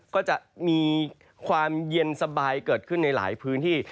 ก็จะมีความเย็นสบายเกิดขึ้นในหลายพื้นที่